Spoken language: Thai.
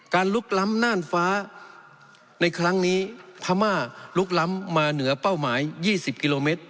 ลุกล้ำน่านฟ้าในครั้งนี้พม่าลุกล้ำมาเหนือเป้าหมาย๒๐กิโลเมตร